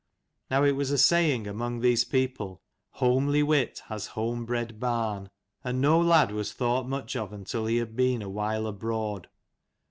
Now it was a saying among these people " Homely wit has homebred barn :" and no lad was thought much of until he had been awhile abroad.